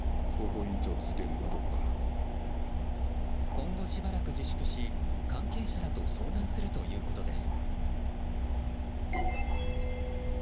今後しばらく自粛し関係者らと相談するということです。